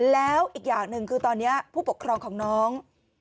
แล้วอีกอย่างหนึ่งคือตอนนี้ผู้ปกครองของน้อง